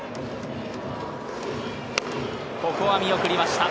ここは見送りました。